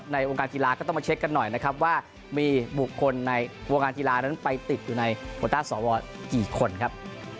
ในวงการกีฬาก็ต้องมาเช็คกันหน่อยนะครับว่ามีบุคคลในวงการกีฬานั้นไปติดอยู่ในโคต้าสวกี่คนครับ